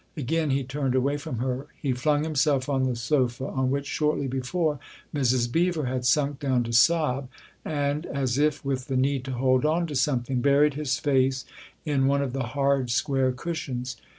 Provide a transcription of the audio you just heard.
Again he turned away from her ; he flung himself on the sofa on which, shortly before, Mrs. Beever had sunk down to sob, and, as if with the need to hold on to something, buried his face in one of the hard, square cushions.